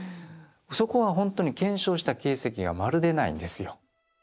そこはほんとに検証した形跡がまるでないんですよ。